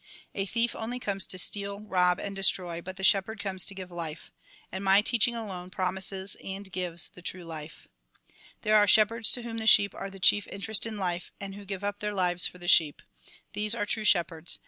" A thief only comes to steal, rob, and destroy, but the shepherd comes to give life. And my teaching alone promises, and gives the true hfe. ' There are shepherds to whom the sheep are the chief interest in life, and who give up their lives for the sheep. These are true shepherds.